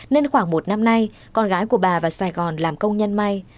nên khoảng một năm nay con gái của bà và sài gòn làm công nhân may